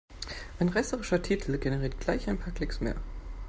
Ein reißerischer Titel generiert gleich ein paar Klicks mehr.